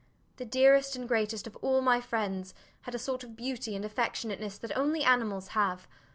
The dearest and greatest of all my friends had a sort of beauty and affectionateness that only animals have.